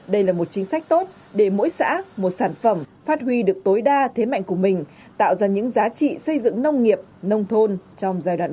đây là một chính sách tốt để mỗi xã một sản phẩm phát huy được tối đa thế mạnh của mình tạo ra những giá trị xây dựng nông nghiệp nông thôn trong giai đoạn mới